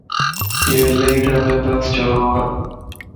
يو الائي ڊرامي باز ڇوروَ